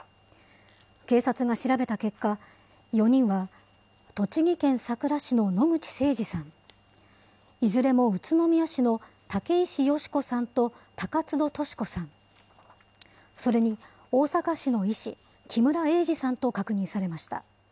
警察が調べた結果、４人は、栃木県さくら市の野口誠二さん、いずれも宇都宮市の竹石佳子さんと高津戸トシ子さん、それに、大阪市の医師、木村英二さんと確認されました。